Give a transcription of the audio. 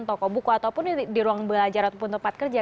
toko buku ataupun di ruang belajar ataupun tempat kerja